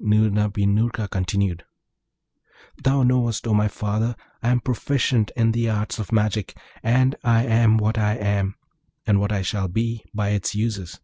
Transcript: Noorna bin Noorka continued, 'Thou knowest, O my father, I am proficient in the arts of magic, and I am what I am, and what I shall be, by its uses.